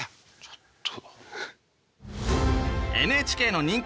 ちょっと。